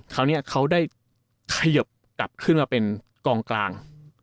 คราวนี้เขาได้ขยิบกลับขึ้นมาเป็นกองกลาง